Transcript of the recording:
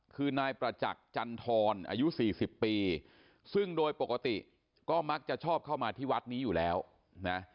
คือนายประจักษ์จันทรอายุสี่สิบปีซึ่งโดยปกติก็มักจะชอบเข้ามาที่วัดนี้อยู่แล้วนะ